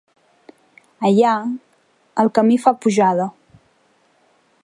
Allà, el camí fa pujada.